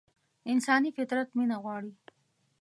انساني فطرت مينه غواړي.